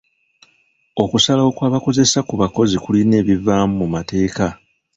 Okusalawo kw'abakozesa ku bakozi kulina ebikuvaamu mu mateeka.